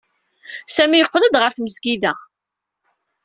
Sami yeqqel-d ɣer tmesgida.